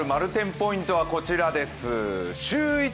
ポイントはこちらです。